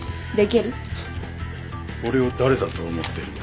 フッ俺を誰だと思ってるんだ。